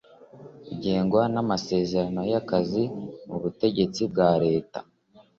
ugengwa n’amasezerano y’akazi mu butegetsi bwa leta